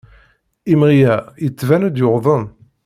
Imɣi-a yettban-d yuḍen.